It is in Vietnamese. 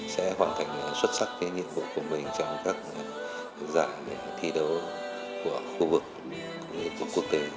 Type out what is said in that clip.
sẽ hoàn thành xuất sắc nhiệm vụ của mình trong các giải thi đấu của khu vực quốc tế